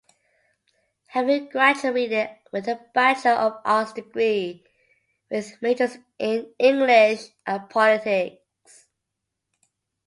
Having graduated with a Bachelor of Arts degree with majors in English and Politics.